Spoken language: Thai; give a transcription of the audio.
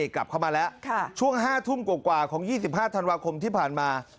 กลับเข้ามาแล้วช่วง๕ทุ่มกว่าของ๒๕ธันวาคมที่ผ่านมา